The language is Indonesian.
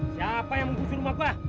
siapa yang membunuh rumah kua